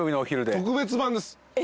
特別版です。え！